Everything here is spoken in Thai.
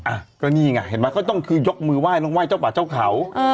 อ่ะก็นี่ไงเห็นไหมเขาต้องคือยกมือไห้ต้องไห้เจ้าป่าเจ้าเขา